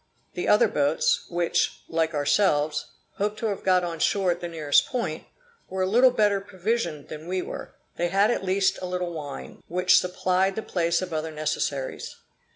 The other boats, which, like ourselves, hoped to have got on shore at the nearest point, were a little better provisioned than we were; they had at least a little wine, which supplied the place of other necessaries.